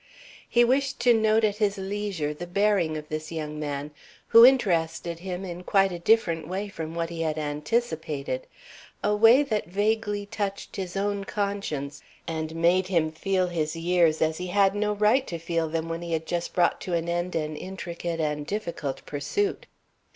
He wished to note at his leisure the bearing of this young man, who interested him in quite a different way from what he had anticipated, a way that vaguely touched his own conscience and made him feel his years as he had no right to feel them when he had just brought to an end an intricate and difficult pursuit.